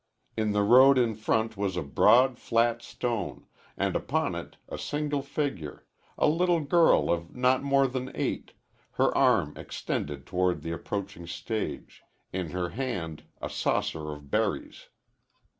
In the road in front was a broad flat stone, and upon it a single figure a little girl of not more than eight her arm extended toward the approaching stage, in her hand a saucer of berries.